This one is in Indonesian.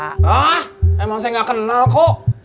wah emang saya gak kenal kok